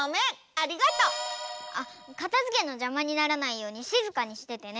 ありがとう！あっかたづけのじゃまにならないようにしずかにしててね。